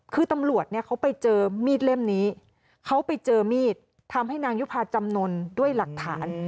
คือตำรวจเนี่ยเขาไปเจอมีดเล่มนี้เขาไปเจอมีดทำให้นางยุภาจำนวนด้วยหลักฐาน